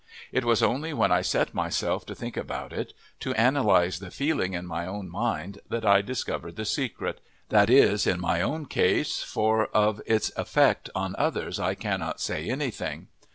It was only when I set myself to think about it, to analyse the feeling in my own mind, that I discovered the secret that is, in my own case, for of its effect on others I cannot say anything.